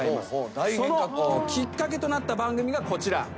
そのきっかけとなった番組がこちら。